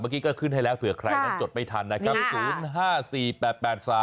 เมื่อกี้ก็ขึ้นให้แล้วเผื่อใครนั้นจดไม่ทันนะครับ